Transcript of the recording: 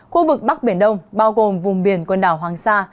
khu vực bắc biển đông bao gồm vùng biển quần đảo hoàng sa